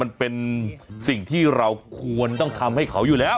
มันเป็นสิ่งที่เราควรต้องทำให้เขาอยู่แล้ว